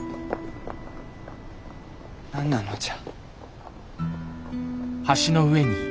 何なのじゃ。